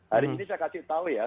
hari ini saya kasih tahu ya